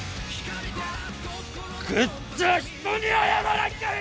作った人に謝らんかい！